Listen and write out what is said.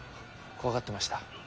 怖がってました？